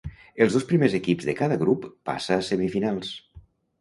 Els dos primers equips de cada grup passa a semifinals.